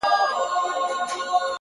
په ګونګه ژبه نظمونه لیکم -